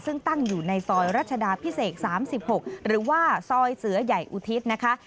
ซึ่งตั้งอยู่ในซอยรัชดาพิเศษ๓๖หรือว่าซอยเสือใหญ่อุทิศนะคะ